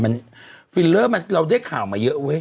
อ้อฮิลเลอร์เราได้ข่าวมาเยอะ